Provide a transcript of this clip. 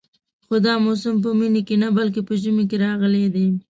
خو دا موسم په مني کې نه بلکې په ژمي کې راغلی دی.